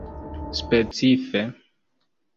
specife